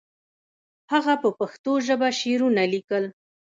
هغه په پښتو ژبه شعرونه لیکل.